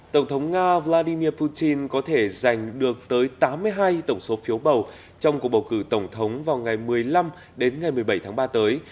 tổng thống nga vladimir putin có thể giành được tới tám mươi hai tổng số phiếu bầu trong cuộc bầu cử tổng thống vào ngày một mươi năm đến ngày một mươi bảy tháng ba tới